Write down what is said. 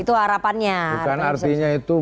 itu harapannya bukan artinya itu